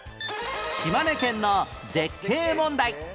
島根県の絶景問題